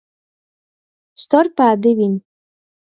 Storpā divim.